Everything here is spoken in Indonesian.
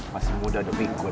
masih muda udah bingkul